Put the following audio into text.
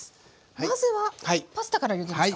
まずはパスタからゆでますか？